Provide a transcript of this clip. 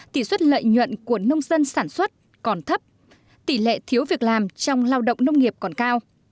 tỷ suất lợi nhuận của nông dân sản xuất còn thấp tỷ lệ thiếu việc làm trong lao động nông nghiệp còn cao